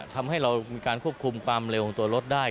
ทำให้เรามีการควบคุมความเร็วของตัวรถได้